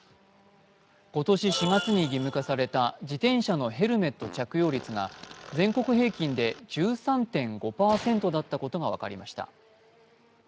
今年４月に義務化された自転車のヘルメット着用率が全国平均で１３．５％だったことが分かりました。